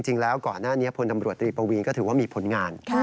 จริงแล้วก่อนหน้านี้พลตำรวจตรีปวีนก็ถือว่ามีผลงาน